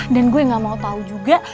dan gue gak mau tau juga